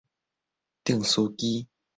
釘書機